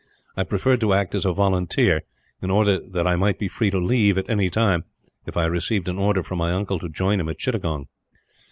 I preferred to act as a volunteer, in order that I might be free to leave, at any time, if I received an order from my uncle to join him at Chittagong.